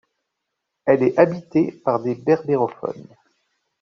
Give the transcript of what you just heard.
Elle est habitée par des berbérophones.